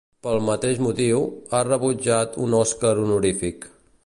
Pel mateix motiu, ha rebutjat un Oscar Honorífic.